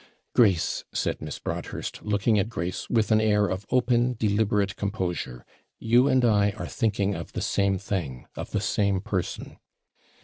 'Grace,' said Miss Broadhurst, looking at Grace with an air of open, deliberate composure, 'you and I are thinking of the same thing of the same person.'